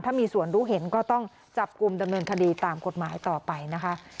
ถ้ามีส่วนรู้เห็นก็ต้องจับกลุ่มดำเนินคดีตามกฎหมายต่อไปนะคะ